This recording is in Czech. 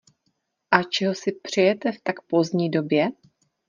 A čeho si přejete v tak pozdní době?